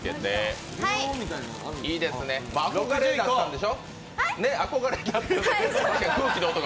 憧れだったんでしょ。